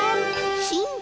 しん